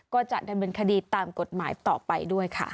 ก็จะดำเนินคดีตามกฎหมายต่อไปด้วยค่ะ